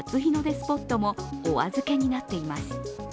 スポットもお預けになっています。